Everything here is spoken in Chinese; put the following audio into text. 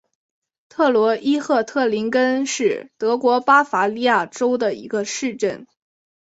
特罗伊赫特林根是德国巴伐利亚州的一个市镇。